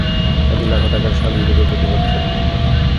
কাজেই লাখো টাকার শাল ইউরোপ প্রতি বৎসর কিনত।